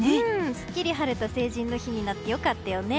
すっきり晴れた成人の日になって良かったよね。